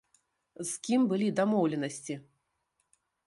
З кім былі дамоўленасці?!